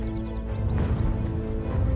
nanti aku akan datang